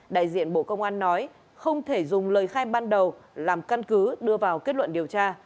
đại diện bộ công an nói không thể dùng lời khai ban đầu làm căn cứ đưa vào kết luận điều tra